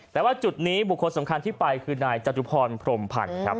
แต่ว่าจุดนี้บุคคลสำคัญที่ไปคือนายจตุพรพรมพันธ์ครับ